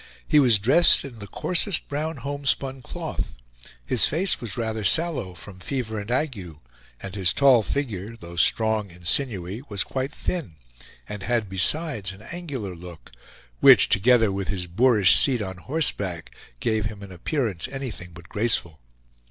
He was dressed in the coarsest brown homespun cloth. His face was rather sallow from fever and ague, and his tall figure, though strong and sinewy was quite thin, and had besides an angular look, which, together with his boorish seat on horseback, gave him an appearance anything but graceful.